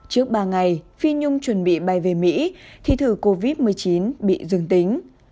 trước ba ngày phi nhung chuẩn bị bay về mỹ thì thử covid một mươi chín bị dương tính